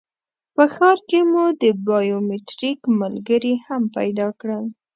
په ښار کې مو د بایومټریک ملګري هم پیدا کړل.